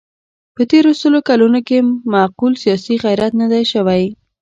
په تېرو سلو کلونو کې معقول سیاسي غیرت نه دی شوی.